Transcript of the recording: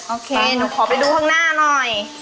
โอเคหนูขอไปดูข้างหน้าหน่อย